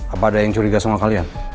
apa ada yang curiga sama kalian